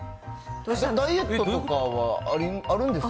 ダイエットとかはあるんですか？